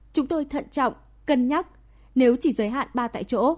chúng tôi thận trọng cân nhắc nếu chỉ giới hạn ba tại chỗ